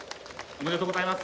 ありがとうございます。